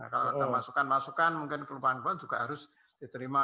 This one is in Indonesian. kalau ada masukan masukan mungkin keluhan keluhan juga harus diterima